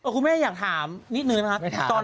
คุณแม่อยากถามนิดนึงนะคะ